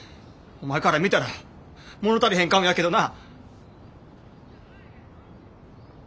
お前から見たら物足りへんかもやけどな。